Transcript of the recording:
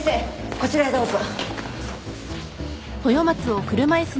こちらへどうぞ。